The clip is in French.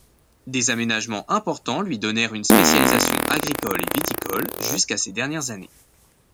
Des aménagements importants lui donnèrent une spécialisation agricole et viticole jusqu'à ces dernières années.